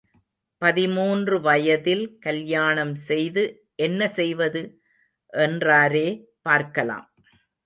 பதிமூன்று வயதில் கல்யாணம் செய்து என்ன செய்வது? என்றாரே பார்க்கலாம்.